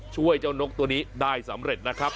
ช่วยเจ้านกตัวนี้ได้สำเร็จนะครับ